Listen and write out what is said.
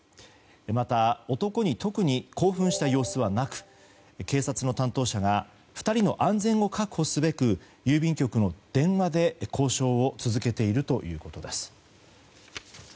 また、男に特に興奮した様子はなく警察の担当者が２人の安全を確保すべく郵便局の電話で交渉を続けているということです。